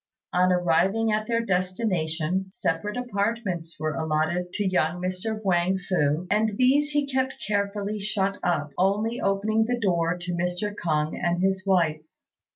On arriving at their destination, separate apartments were allotted to young Mr. Huang fu, and these he kept carefully shut up, only opening the door to Mr. K'ung and his wife.